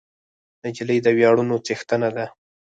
نجلۍ د ویاړونو څښتنه ده.